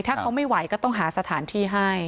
ถ้าเขาไม่ไหวก็ต้องหาสถานที่ให้